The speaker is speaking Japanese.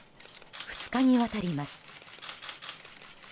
２日にわたります。